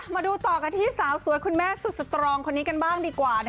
มาดูต่อกันที่สาวสวยคุณแม่สุดสตรองคนนี้กันบ้างดีกว่า